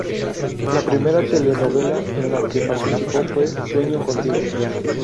La primera telenovela en la que participó fue "Sueño contigo".